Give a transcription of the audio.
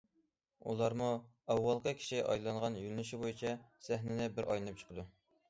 ئۇلارمۇ ئاۋۋالقى كىشى ئايلانغان يۆنىلىش بويىچە سەھنىنى بىر ئايلىنىپ چىقىدۇ.